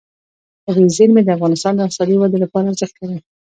طبیعي زیرمې د افغانستان د اقتصادي ودې لپاره ارزښت لري.